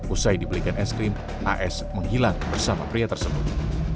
usai dibelikan es krim as menghilang bersama pria tersebut